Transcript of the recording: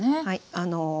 はい。